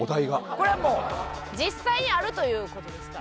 これはもう実際にあるという事ですからね。